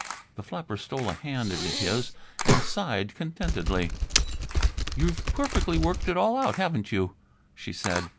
The flapper stole a hand into his and sighed contentedly. "You've perfectly worked it all out, haven't you?" she said.